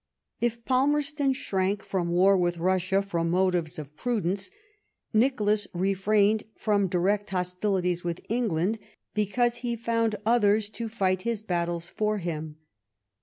If Palmerston shrank, from war with Russia from motives of prudence, Nicholas refrained from direct hostilities with England because he found others to fight his battles for him.